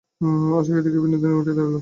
আশাকে দেখিয়া বিনোদিনী উঠিয়া দাঁড়াইল।